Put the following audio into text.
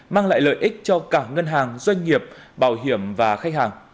mang lại lợi ích cho cả ngân hàng doanh nghiệp bảo hiểm và khách hàng